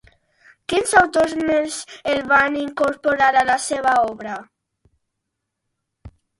Quins autors més el van incorporar a la seva obra?